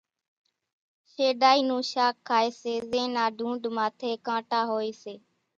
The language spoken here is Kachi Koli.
شيڍائِي نون شاک کائيَ سي زين نا ڍونڍ ماٿيَ ڪانٽا هوئيَ سي۔